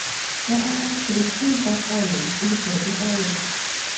There are actually two Buck Islands in the Virgin Islands.